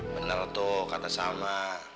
bener tuh kata salma